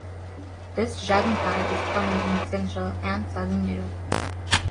This dragonfly is common in central and southern Europe.